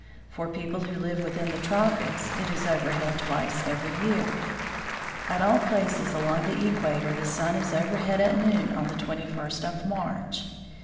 For people who live within the tropics it is over THE FROZEN NORTH head twice every year. At all places along the equator the sun is overhead at noon on the 21st of March.